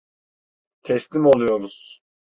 Teslim oluyoruz.